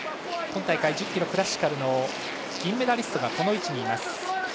今大会１０ｋｍクラシカルの銀メダルがこの位置にいます。